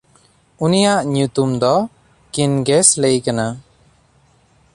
ᱩᱱᱤᱭᱟᱜ ᱧᱩᱛᱩᱢ ᱫᱚ ᱠᱤᱱᱜᱮᱥᱞᱮᱭ ᱠᱟᱱᱟ᱾